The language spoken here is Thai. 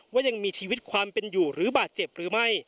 ว่ายังมีชีวิตความเป็นอยู่หรือบาดเจ็บหรือไม่